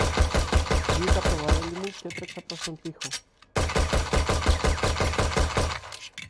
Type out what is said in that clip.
Βγήκα απ' το βαρέλι μου κι έτρεξα προς τον τοίχο